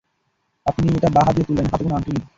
আপনি এটা বাঁ হাত দিয়ে তুললেন, হাতে কোনো আংটি নেই।